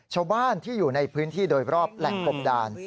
ชาวบ้านที่อยู่ในพื้นที่โดยรอบแหล่งกบดาน